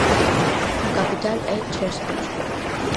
A capital é Chester.